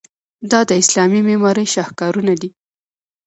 دا د اسلامي معمارۍ شاهکارونه دي.